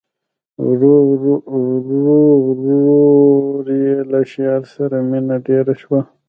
ورو ورو یې له شعر سره مینه ډېره شوه